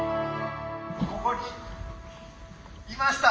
ここにいました！